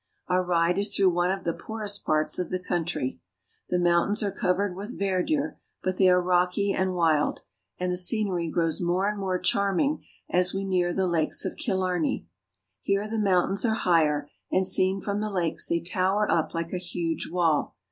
Our ride is through one of the poorest parts of the country. The mountains are covered "— the beautiful lakes of Killarney." with verdure, but they are rocky and wild, and the scenery grows more and more charming as we near the Lakes of Killarney. Here the mountains are higher, and seen from the lakes they tower up like a huge wall.